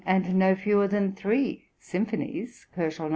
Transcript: and no fewer than three symphonies (128 130 K.)